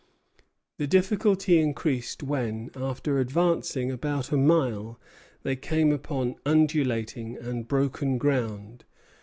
The difficulty increased when, after advancing about a mile, they came upon undulating and broken ground.